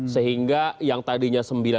sehingga yang tadinya